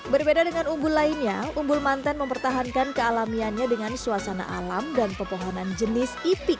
berbeda dengan umbul lainnya umbul mantan mempertahankan kealamiannya dengan suasana alam dan pepohonan jenis ipik